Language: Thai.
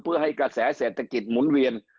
เพื่อให้กระแสเศรษฐกิจหมุนเวียน